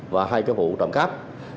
và hai vụ trụng cấp